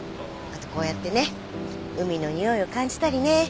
あとこうやってね海のにおいを感じたりね。